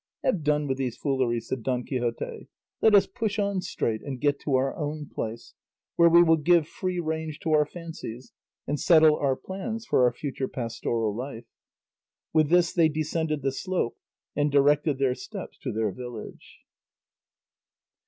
"Have done with these fooleries," said Don Quixote; "let us push on straight and get to our own place, where we will give free range to our fancies, and settle our plans for our future pastoral life." With this they descended the slope and directed their steps to their village.